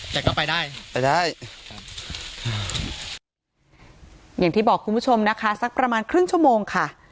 อย่างที่บอกคุณผู้ชมนะคะซักประมานครึ่งชั่วโมงค่ะ